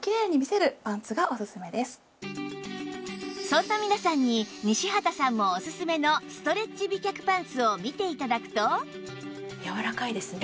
そんな皆さんに西畑さんもおすすめのストレッチ美脚パンツを見て頂くと